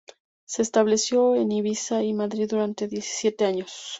Se estableció en Ibiza y Madrid, durante diecisiete años.